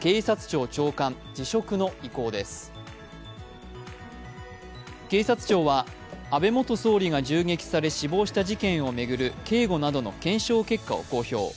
警察庁は安倍元総理が銃撃され死亡した事件を巡る警護などの検証結果を公表。